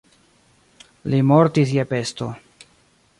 Li mortis je pesto.